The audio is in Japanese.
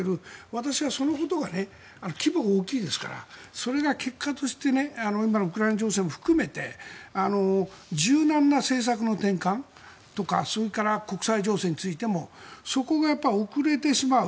私はそのことが規模を大きいですからそれが結果として今のウクライナ情勢も含めて柔軟な政策の転換とか国際情勢についてもそこが遅れてしまう。